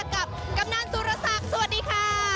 กำนันสุรศักดิ์สวัสดีค่ะ